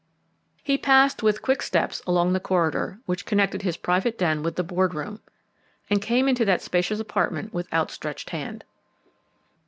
He passed with quick steps along the corridor which connected his private den with the board room, and came into that spacious apartment with outstretched hand.